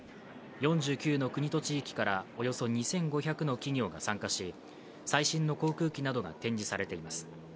４９の国と地域からおよそ２５００の企業が参加し最新の航空機などが展示されています。